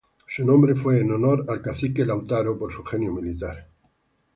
Su nombre fue en honor al cacique Lautaro, por su genio militar.